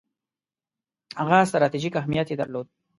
هغه ستراتیژیک اهمیت یې درلود.